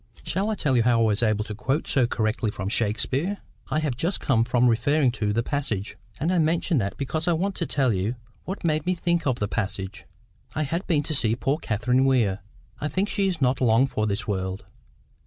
"Shall I tell you how I was able to quote so correctly from Shakespeare? I have just come from referring to the passage. And I mention that because I want to tell you what made me think of the passage. I had been to see poor Catherine Weir. I think she is not long for this world.